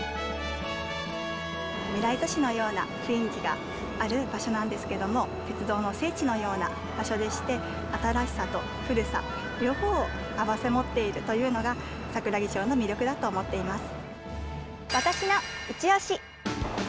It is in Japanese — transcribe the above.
未来都市のような雰囲気がある場所なんですけども鉄道の聖地のような場所でして新しさと古さ両方を併せ持っているというのが桜木町の魅力だと思っています。